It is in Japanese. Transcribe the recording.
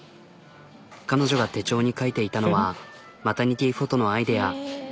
彼女が手帳に書いていたのはマタニティーフォトのアイデア。